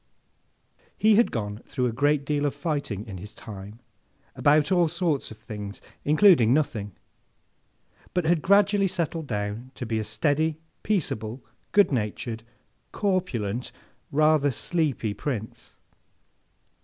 He had gone through a great deal of fighting, in his time, about all sorts of things, including nothing; but, had gradually settled down to be a steady, peaceable, good natured, corpulent, rather sleepy Prince.